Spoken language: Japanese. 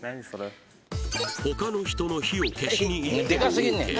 他の人の火を消しにいってもＯＫ